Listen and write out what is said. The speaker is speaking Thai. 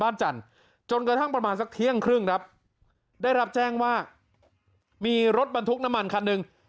จันทร์จนกระทั่งประมาณสักเที่ยงครึ่งครับได้รับแจ้งว่ามีรถบรรทุกน้ำมันคันหนึ่ง